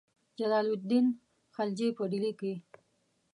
جلال الدین خلجي په ډهلي کې.